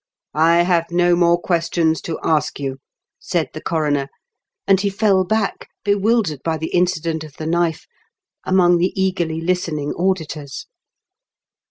I have no more questions to ask you," said the coroner, and he fell back, bewildered by the incident of the knife, among the eagerly listening auditors.